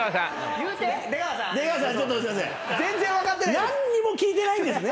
何にも聞いてないんですね。